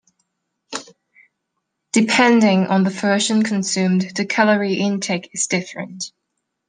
Depending on the version consumed the calorie intake is different.